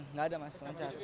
enggak ada mas lancar